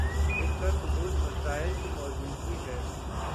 اسکا ثبوت مسائل کی موجودگی ہے